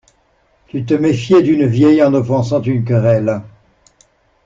Tu te méfiais d'une vielle en offensant une querelle.